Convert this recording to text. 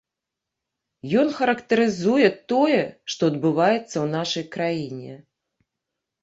Ён характарызуе тое, што адбываецца ў нашай краіне.